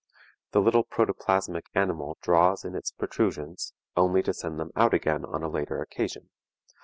The little protoplasmic animal draws in its protrusions, only to send them out again on a later occasion.